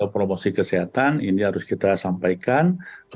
promosi kesehatan ini harus kita sampaikan